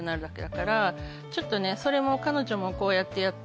ちょっとねそれも彼女もこうやって。